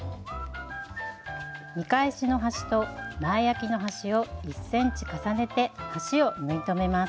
見返しの端と前あきの端を１ｃｍ重ねて端を縫い留めます。